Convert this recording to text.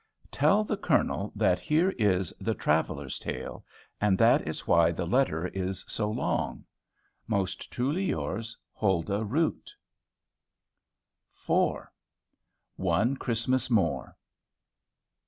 Tell the Colonel that here is "THE TRAVELLER'S TALE;" and that is why the letter is so long. Most truly yours, HULDAH ROOT. IV. ONE CHRISTMAS MORE.